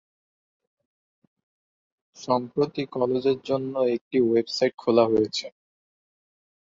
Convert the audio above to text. সম্প্রতি কলেজের জন্য একটি ওয়েবসাইট খোলা হয়েছে।